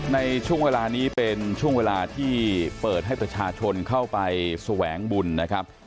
ในช่วงเวลานี้เป็นช่วงเวลาที่เปิดให้ประชาชนเข้าไปแสวงบุญนะครับ